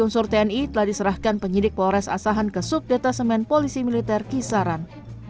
unsur tni telah diserahkan penyidik polres asahan ke subdetasemen polisi militer kisaran